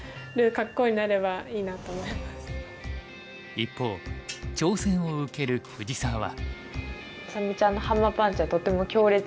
一方挑戦を受ける藤沢は。